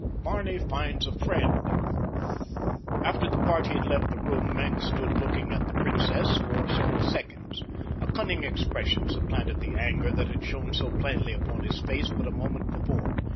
BARNEY FINDS A FRIEND After the party had left the room Maenck stood looking at the princess for several seconds. A cunning expression supplanted the anger that had shown so plainly upon his face but a moment before.